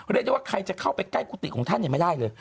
เรียกได้ว่าใครจะเข้าไปใกล้กุฏิของท่านยังไม่ได้เลย